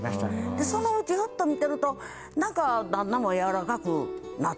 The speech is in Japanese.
でそのうちふっと見てるとなんか旦那も柔らかくなってきましたね。